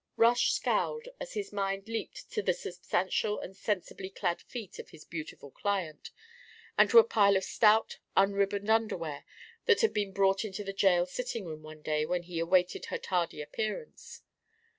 Rush scowled as his mind leaped to the substantial and sensibly clad feet of his beautiful client, and to a pile of stout unribboned underwear that had been brought into the jail sitting room one day when he awaited her tardy appearance.